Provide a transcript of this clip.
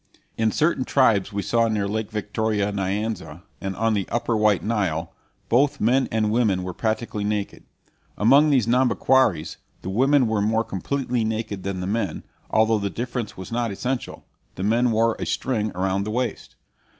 In certain tribes we saw near Lake Victoria Nyanza, and on the upper White Nile, both men and women were practically naked. Among these Nhambiquaras the women were more completely naked than the men, although the difference was not essential. The men wore a string around the waist.